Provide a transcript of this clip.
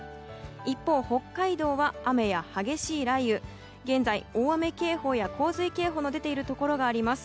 一方、北海道は雨や激しい雷雨現在、大雨警報や洪水警報が出ているところがあります。